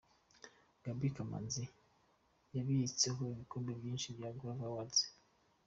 Gaby Kamanzi yibitseho ibikombe byinshi bya Groove Awards.